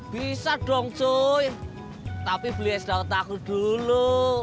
bisa dong cuy tapi beli es daun takut dulu